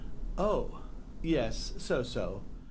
Oh! yes, so, so.